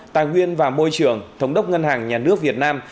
tài nguyên và môi trường thống đốc ngân hàng nhà nước việt nam